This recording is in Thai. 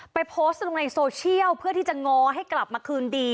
โพสต์ลงในโซเชียลเพื่อที่จะง้อให้กลับมาคืนดี